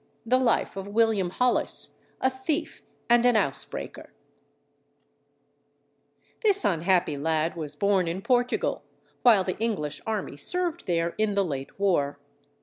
The Life of WILLIAM HOLLIS, a Thief and an Housebreaker This unhappy lad was born in Portugal, while the English army served there in the late war.